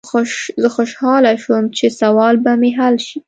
زه خوشحاله شوم چې سوال به مې حل شي.